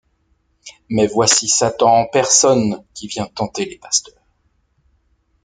Mais voici Satan en personne qui vient tenter les pasteurs.